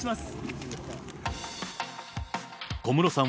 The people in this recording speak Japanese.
小室さん。